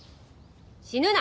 「死ぬな！